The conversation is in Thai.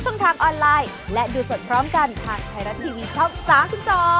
สวัสดีครับ